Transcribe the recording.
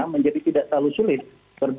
menjadi tidak terlalu sulit